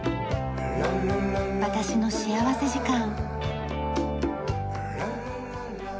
『私の幸福時間』。